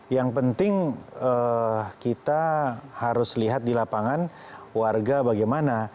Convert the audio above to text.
yang penting kita harus lihat di lapangan warga bagaimana